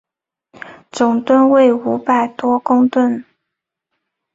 总吨位五百多公顿。